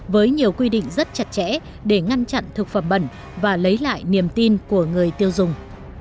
với nhiều quy định rất chặt chẽ để ngăn chặn thực phẩm bẩn và lấy lại niềm tin của người tiêu dùng